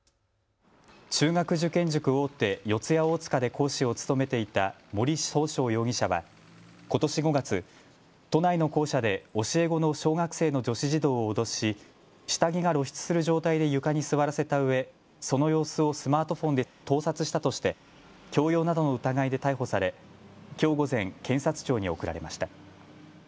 中学受験塾大手、四谷大塚で講師を務めていた森崇翔容疑者はことし５月、都内の校舎で教え子の小学生の女子児童を脅し下着が露出する状態で床に座らせたうえその様子をスマートフォンで盗撮したとして強要などの疑いで逮捕されきょう午前、検察庁に送られました。